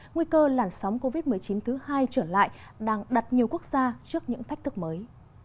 nguy cơ làn sóng covid một mươi chín thứ hai trở lại đang đặt nhiều quốc gia trước những thách thức mới